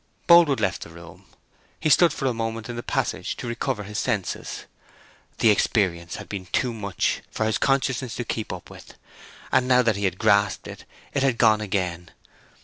Boldwood left the room. He stood for a moment in the passage to recover his senses. The experience had been too much for his consciousness to keep up with, and now that he had grasped it it had gone again.